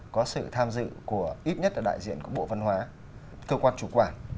có sự tham dự của ít nhất là đại diện của bộ văn hóa cơ quan chủ quản